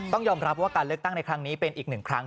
ต้องยอมรับว่าการเลือกตั้งในครั้งนี้เป็นอีกหนึ่งครั้ง